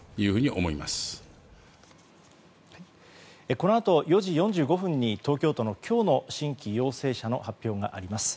このあと４時４５分に東京都の今日の新規陽性者の発表があります。